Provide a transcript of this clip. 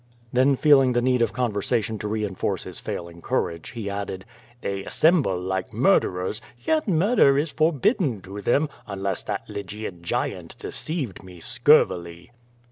Then feeling the need of conversation to reinforce his fail ing courage, he added: "They assemble like murderers, yet murder is forbidden to them, unless that Lygian giant deceived me scurvily."